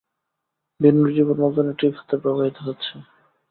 বিনুর জীবন নতুন একটি খাতে প্রবাহিত হচ্ছে।